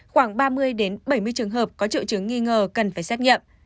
khoảng ba mươi bảy mươi trường hợp có triệu chứng nghi ngờ cần phải xét nghiệm